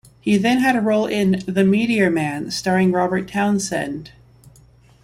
He then had a role in "The Meteor Man", starring Robert Townsend.